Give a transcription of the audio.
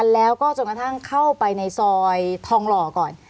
แล้วก็จนกระทั่งเข้าไปในซอยทองหล่อก่อน